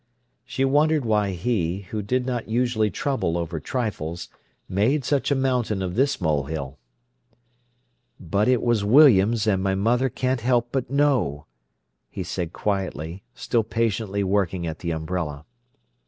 She wondered why he, who did not usually trouble over trifles, made such a mountain of this molehill. "But it was William's an' my mother can't help but know," he said quietly, still patiently working at the umbrella.